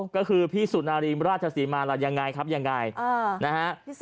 ก็คือพี่สุนารีมราชสิมาราชยังไงครับยังไง